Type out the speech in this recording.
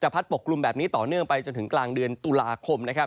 ไปจนถึงกลางเดือนตุลาคมนะครับ